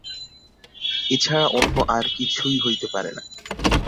এ-ছাড়া অন্য আর কিছুই হইতে পারে না।